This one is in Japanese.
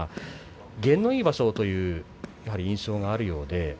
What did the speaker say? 験のいい場所という印象があるようですね。